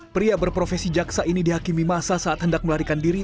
pria berprofesi jaksa ini dihakimi masa saat hendak melarikan diri